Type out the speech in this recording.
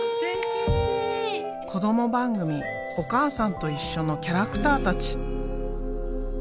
子ども番組「おかあさんといっしょ」のキャラクターたち。